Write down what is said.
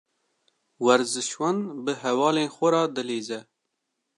Werzişvan bi hevalên xwe re dilîze.